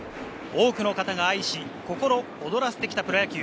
多くの方が愛し、心躍らせてきたプロ野球。